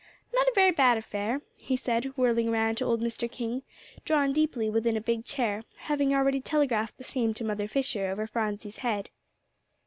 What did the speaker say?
"Not a very bad affair," he said, whirling around to old Mr. King, drawn deeply within a big chair, having already telegraphed the same to Mother Fisher over Phronsie's head.